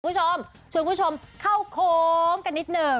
คุณผู้ชมชวนคุณผู้ชมเข้าโค้งกันนิดหนึ่ง